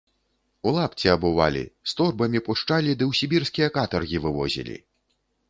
У лапці абувалі, з торбамі пушчалі ды ў сібірскія катаргі вывозілі.